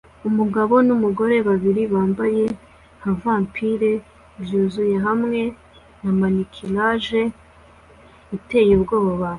Umugabo numugore babiri bambaye nka vampire byuzuye hamwe na maquillage iteye ubwoba